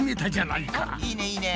いいねいいね。